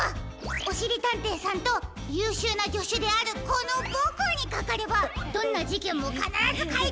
おしりたんていさんとゆうしゅうなじょしゅであるこのボクにかかればどんなじけんもかならずかいけつできるよ！